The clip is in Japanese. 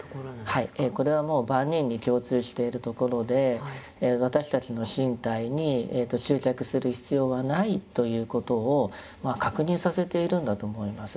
これはもう万人に共通しているところで「私たちの身体に執着する必要はない」ということを確認させているんだと思います。